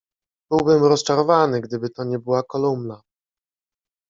"Byłbym rozczarowany, gdyby to nie była kolumna."